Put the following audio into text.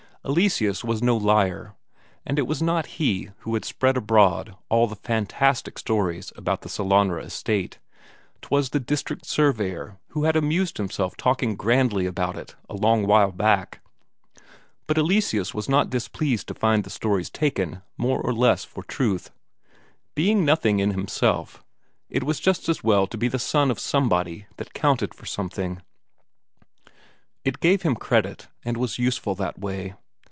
Eleseus was no liar, and it was not he who had spread abroad all the fantastic stories about the Sellanraa estate; 'twas the district surveyor who had amused himself talking grandly about it a long while back. But Eleseus was not displeased to find the stories taken more or less for truth. Being nothing in himself, it was just as well to be the son of somebody that counted for something; it gave him credit, and was useful that way.